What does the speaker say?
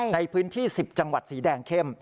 ในพื้นที่๑๐จังหวัดสีแดงเข้ม